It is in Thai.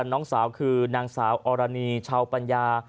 น้องสาวคือนางสาวอรณีชาวปัญญา